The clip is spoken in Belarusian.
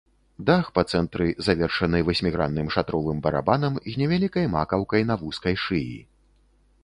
Дах па цэнтры завершаны васьмігранным шатровым барабанам з невялікай макаўкай на вузкай шыі.